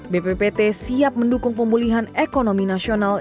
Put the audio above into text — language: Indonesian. bppt siap mendukung pemulihan ekonomi nasional